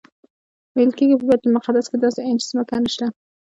ویل کېږي په بیت المقدس کې داسې انچ ځمکه نشته.